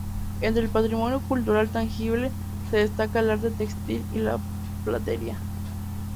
Entre el patrimonio cultural tangible, se destaca el arte textil y la platería.